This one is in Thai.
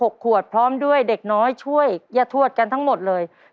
ขวดพร้อมด้วยเด็กน้อยช่วยย่าทวดกันทั้งหมดเลย